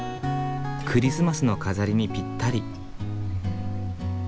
クリスマスの飾りにピッタリ。